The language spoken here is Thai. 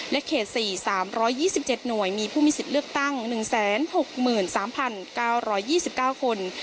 เขต๔๓๒๗หน่วยมีผู้มีสิทธิ์เลือกตั้ง๑๖๓๙๒๙คน